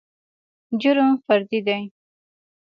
جرم فردي دى.